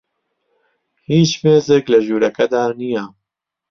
هیچ مێزێک لە ژوورەکەدا نییە.